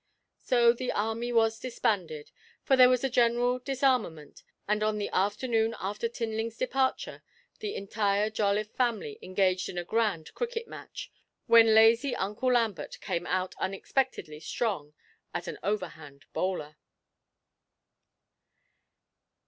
So the army was disbanded, for there was a general disarmament, and on the afternoon after Tinling's departure the entire Jolliffe family engaged in a grand cricket match, when lazy Uncle Lambert came out unexpectedly strong as an overhand bowler.